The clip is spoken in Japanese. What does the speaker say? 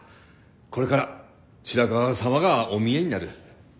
これから白川様がお見えになる。